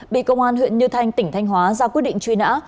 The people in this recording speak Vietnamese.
bị công an huyện như thanh tỉnh thanh hóa ra quyết định truy nã